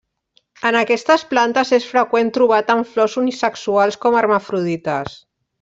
En aquestes plantes és freqüent trobar tant flors unisexuals com hermafrodites.